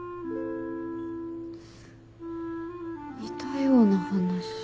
似たような話。